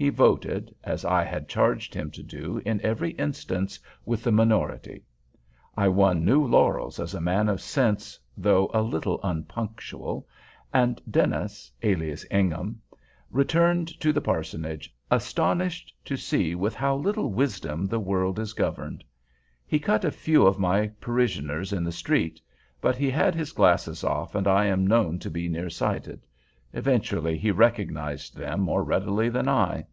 He voted, as I had charged him to do, in every instance, with the minority. I won new laurels as a man of sense, though a little unpunctual—and Dennis, alias Ingham, returned to the parsonage, astonished to see with how little wisdom the world is governed. He cut a few of my parishioners in the street; but he had his glasses off, and I am known to be nearsighted. Eventually he recognized them more readily than I.